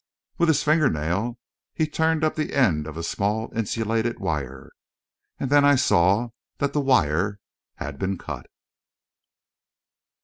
With his finger nail, he turned up the end of a small insulated wire. And then I saw that the wire had been cut.